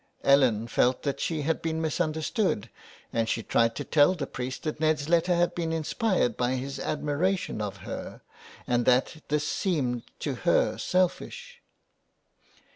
Ellen felt that she had been misunderstood, and she tried to tell the priest that Ned's letter had been inspired by his 337 Y THE WILD GOOSE. admiration of her, and that this seemed to her selfish.